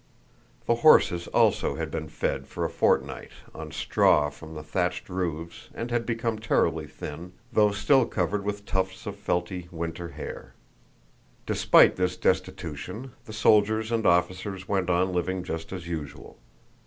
The horses also had been fed for a fortnight on straw from the thatched roofs and had become terribly thin, though still covered with tufts of felty winter hair. Despite this destitution, the soldiers and officers went on living just as usual.